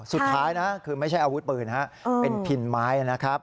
สุดท้ายนะคือไม่ใช่อาวุธปืนฮะเป็นพินไม้นะครับ